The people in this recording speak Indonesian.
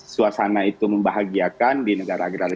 suasana itu membahagiakan di negara negara